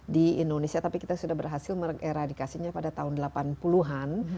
di indonesia tapi kita sudah berhasil eradikasinya pada tahun delapan puluh an